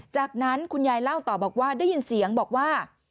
จากนั้นคุณยายเล่าต่อบอกว่าได้ยินเสียงบอกว่า